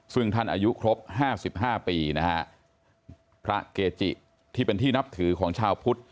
ซึ่งท่านอายุครบ๕๕ปีนะฮะพระเกจิที่เป็นที่นับถือของชาวพุทธ